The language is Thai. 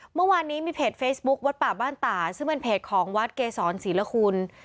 เมื่อวานนี้มีเพจเฟซบุ๊ควัดป่าบ้านต่าซึ่งเป็นเพจของวัดเกษรศรีละคุณ